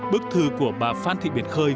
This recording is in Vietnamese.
bức thư của bà phan thị biển khơi